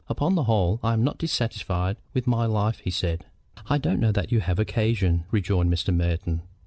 "Upon the whole, I am not dissatisfied with my life," he said. "I don't know that you have occasion," rejoined Mr. Merton.